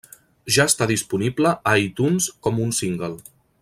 Ja està disponible a iTunes com un single.